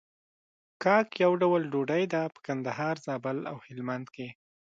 کاک يو ډول ډوډۍ ده په کندهار، زابل او هلمند کې.